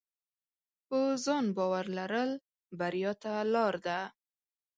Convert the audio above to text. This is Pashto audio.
په ځان باور لرل بریا ته لار ده.